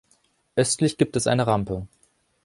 Östlich gibt es eine Rampe.